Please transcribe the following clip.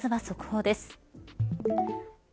まずは速報です。